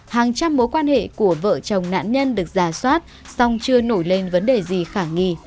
hàng trăm mối quan hệ của vợ chồng nạn nhân được giả soát song chưa nổi lên vấn đề gì khả nghi